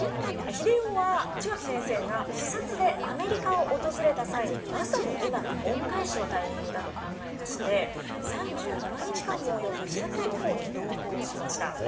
英世は血脇先生が視察でアメリカを訪れた際にまさに今が恩返しのタイミングだと考えまして３７日間も及ぶ視察旅行に同行しました。